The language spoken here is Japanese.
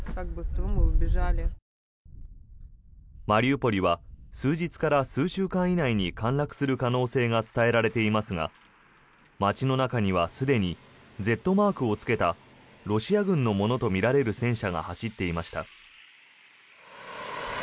マリウポリは数日から数週間以内に陥落する可能性が伝えられていますが街の中には、すでにＺマークをつけたロシア軍のものとみられる戦車が走っていました。